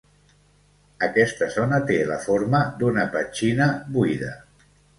Aquesta zona té la forma d'una petxina buida.